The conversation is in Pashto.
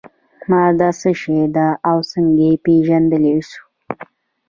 ماده څه شی ده او څنګه یې پیژندلی شو.